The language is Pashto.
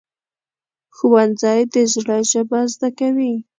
ښوونځی د زړه ژبه زده کوي